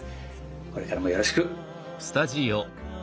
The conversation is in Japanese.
これからもよろしく。